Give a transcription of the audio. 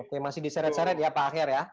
oke masih diseret seret ya pak aher ya